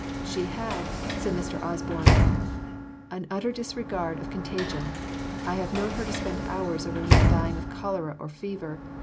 She had, said Mr. Osborne, "an utter disregard of contagion. I have known her spend hours over men dying of cholera or fever.